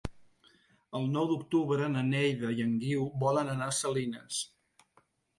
El nou d'octubre na Neida i en Guiu volen anar a Salines.